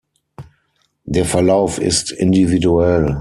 Der Verlauf ist individuell.